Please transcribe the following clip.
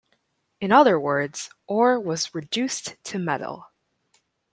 In other words, ore was "reduced" to metal.